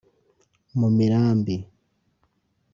mu mirambi